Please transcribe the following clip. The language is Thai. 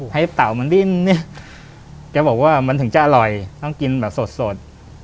ไฟเต่ามันดิ้นแกบอกว่ามันถึงจะอร่อยต้องกินสด